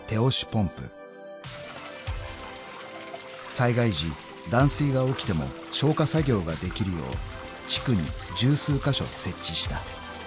［災害時断水が起きても消火作業ができるよう地区に十数カ所設置した］